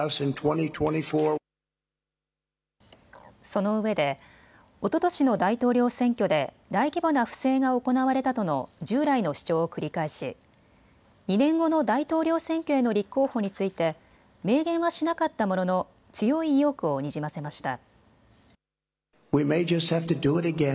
そのうえでおととしの大統領選挙で大規模な不正が行われたとの従来の主張を繰り返し２年後の大統領選挙への立候補について明言はしなかったものの強い意欲をにじませました。